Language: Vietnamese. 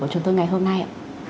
của chúng tôi ngày hôm nay